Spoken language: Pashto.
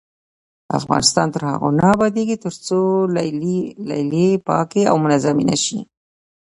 افغانستان تر هغو نه ابادیږي، ترڅو لیلیې پاکې او منظمې نشي.